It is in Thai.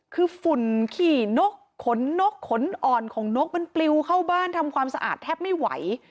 คือฝุ่นขี้นกขนนกขนอ่อนของนกมันปลิวเข้าบ้านทำความสะอาดแทบไม่ไหว